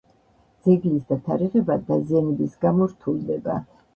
ძეგლის დათარიღება დაზიანების გამო რთულდება.